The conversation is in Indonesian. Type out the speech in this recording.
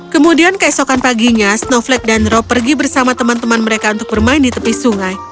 kemudian keesokan paginya snowflake dan rob pergi bersama teman teman mereka untuk bermain di tepi sungai